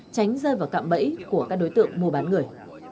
tránh rơi vào cạm bẫy của các đối tượng mua bán người